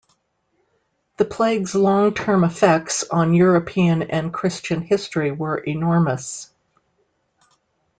The plague's long-term effects on European and Christian history were enormous.